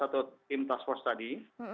atau tim task force tadi